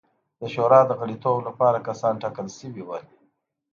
د شورا د غړیتوب لپاره کسان ټاکل شوي وو.